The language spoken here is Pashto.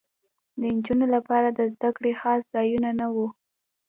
د نجونو لپاره د زدکړې خاص ځایونه نه وو